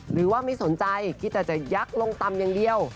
หรือว่าไม่สนใจคิดแต่จะยักษ์ลงตำอย่างเดียว